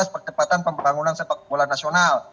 percepatan pembangunan sepak bola nasional